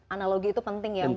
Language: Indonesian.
analogi itu penting ya